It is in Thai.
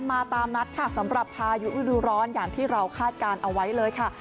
มาตามนัดค่ะสำหรับพายุฤดูร้อนอย่างที่เราคาดการณ์เอาไว้เลยค่ะ